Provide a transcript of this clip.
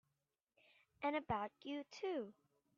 And about you too!